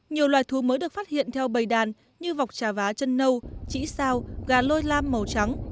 nhiều loài thú mới được phát hiện theo bày đàn như vọc trà vá chân nâu chỉ sao gà lôi lam màu trắng